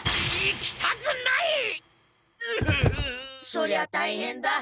そりゃ大変だ。